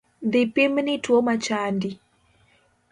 Dhi pimni tuo machandi